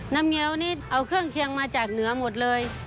เงี้ยวนี่เอาเครื่องเคียงมาจากเหนือหมดเลย